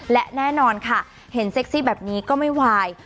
และแน่นอนค่ะเห็นเซ็กซี่แบบนี้ก็ไม่วาย